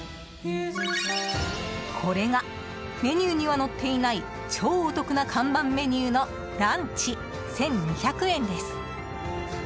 これがメニューには載っていない超お得な看板メニューのランチ１２００円です。